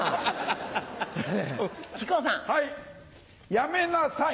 やめなさい！